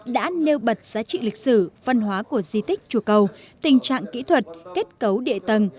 đã nêu bật giá trị lịch sử văn hóa của di tích chùa cầu tình trạng kỹ thuật kết cấu địa tầng